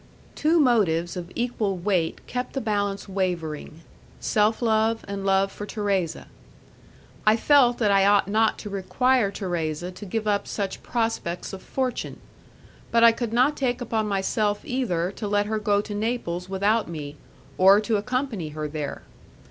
Two motives of equal weight kept the balance wavering; self love and love for Thérèse. I felt that I ought not to require Thérèse to give up such prospects of fortune; but I could not take upon myself either to let her go to Naples without me, or to accompany her there.